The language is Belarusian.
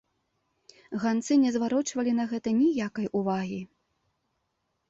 Ганцы не зварочвалі на гэта ніякай увагі.